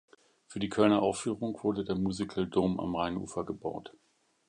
Für die Kölner Aufführung wurde der Musical Dome am Rheinufer gebaut.